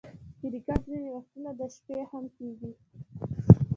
کرکټ ځیني وختونه د شپې هم کیږي.